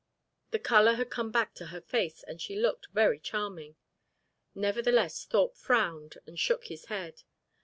The colour had come back to her face, and she looked very charming. Nevertheless Thorpe frowned and shook his head.